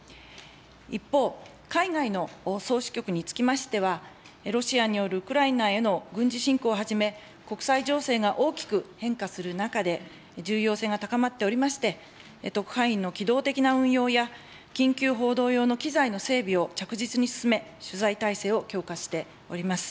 一方、海外の総支局につきましては、ロシアによるウクライナへの軍事侵攻をはじめ、国際情勢が大きく変化する中で、重要性が高まっておりまして、特派員の機動的な運用や、緊急報道用の機材の整備を着実に進め、取材体制を強化しております。